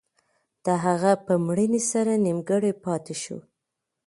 د هغه په مړینې سره نیمګړی پاتې شو.